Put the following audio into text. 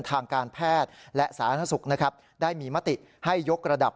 ทางการแพทย์และสารรัฐศึกได้มีมติให้ยกระดับ